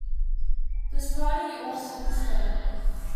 This party also disbanded.